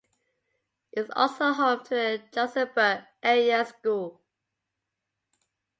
It's also home to the Johnsonburg Area School.